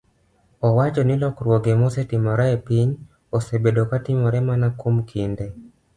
owacho ni lokruoge mosetimore e piny osebedo ka timore mana kuom kinde